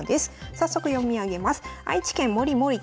早速読み上げます。